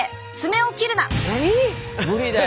無理だよ！